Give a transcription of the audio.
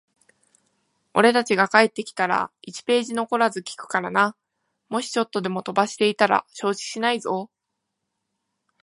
俺たちが帰ってきたら、一ページ残らず聞くからな。もしちょっとでも飛ばしていたら承知しないぞ。